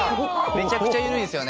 めちゃくちゃゆるいですよね。